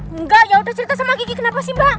enggak yaudah cerita sama gigi kenapa sih mbak